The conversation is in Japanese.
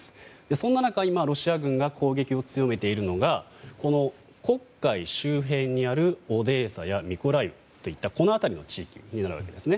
そんな中、今ロシア軍が攻撃を強めているのがこの黒海周辺にあるオデーサやミコライウといったこの辺りの地域になります。